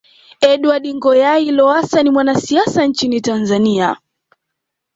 Edward Ngoyayi Lowassa ni mwanasiasa nchini Tanzania